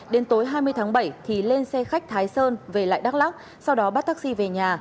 đến tối hai mươi tháng bảy thì lên xe khách thái sơn về lại đắk lóc sau đó bắt taxi về nhà